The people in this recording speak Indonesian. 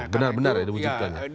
benar benar ya diwujudkan